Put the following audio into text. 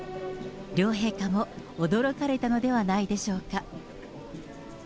両陛下も驚かれたのではないでしょうか。